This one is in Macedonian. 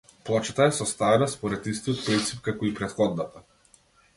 Плочата е составена според истиот принцип како и претходната.